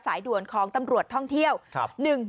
สายด่วนของตำรวจท่องเที่ยว๑๑๕๕ค่ะ